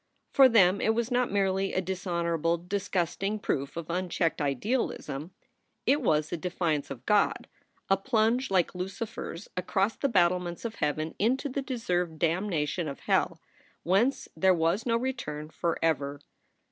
For them it was not merely a dishonorable, disgusting proof of unchecked idealism; it was a defiance of God, a plunge like Lucifer s across the battlements of heaven into the deserved damnation of hell whence there was no return forever.